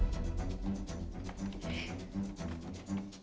sampai dugang considerations